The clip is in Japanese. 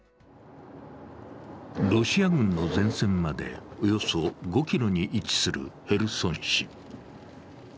ロシア軍の前線までおよそ５ｋｍに位置するヘルソン市。